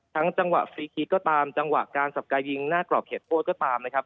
จังหวะฟรีคีก็ตามจังหวะการสับกายยิงหน้ากรอบเขตโทษก็ตามนะครับ